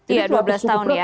iya dua belas tahun ya